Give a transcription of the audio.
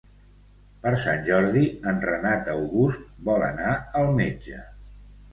Per Sant Jordi en Renat August vol anar al metge.